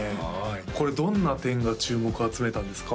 これどんな点が注目集めたんですか？